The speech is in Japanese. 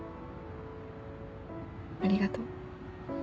ありがと。